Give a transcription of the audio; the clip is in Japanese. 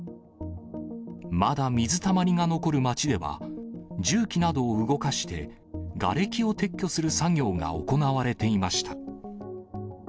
まだ水たまりが残る街では、重機などを動かして、がれきを撤去する作業が行われていました。